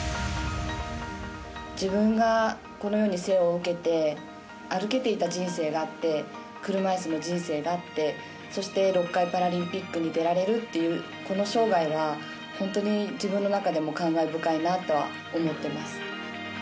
自分がこの世に生を受けて歩けていた人生があって車いすの人生があってそして６回パラリンピックに出られるというこの生涯は、本当に自分の中でも感慨深いなとは思っています。